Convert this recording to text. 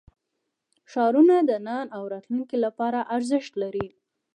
ښارونه د نن او راتلونکي لپاره ارزښت لري.